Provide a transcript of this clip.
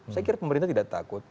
saya kira pemerintah tidak takut